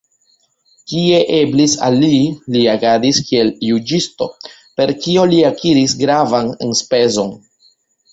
Kie eblis al li, li agadis kiel juĝisto, per kio li akiris gravan enspezon.